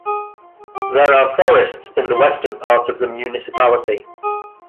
There are forests in the western part of the municipality.